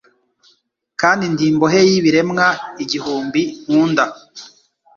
Kandi ndi imbohe y'ibiremwa igihumbi nkunda